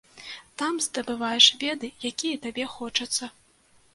Там здабываеш веды, якія табе хочацца.